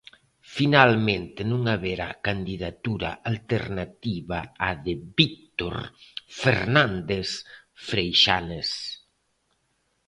Finalmente non haberá candidatura alternativa á de Víctor Fernández Freixanes.